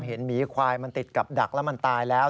หมีควายมันติดกับดักแล้วมันตายแล้ว